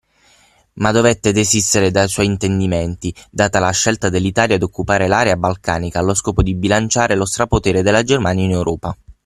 Ma dovette desistere dai suoi intendimenti data la scelta dell'Italia di occupare l'area balcanica allo scopo di bilanciare lo strapotere della Germania in Europa.